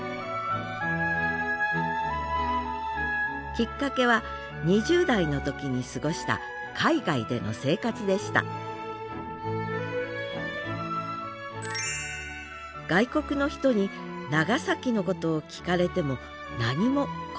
きっかけは２０代の時に過ごした海外での生活でした外国の人に長崎のことを聞かれても何も答えられなかったのです